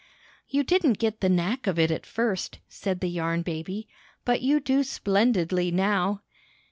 ''You didn't get the knack of it at first/' said the Yarn Baby, ''but you do splendidly now."